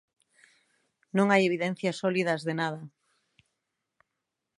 Non hai evidencias sólidas de nada.